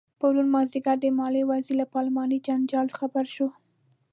پرون مازدیګر د مالیې وزیر له پارلماني جنجال خبر شو.